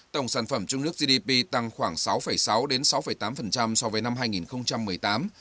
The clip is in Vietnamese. tổng sản phẩm trong nước gdp tăng khoảng sáu sáu tám so với năm hai nghìn một mươi tám